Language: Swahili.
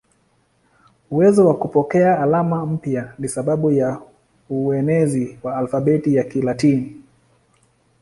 Uwezo wa kupokea alama mpya ni sababu ya uenezi wa alfabeti ya Kilatini.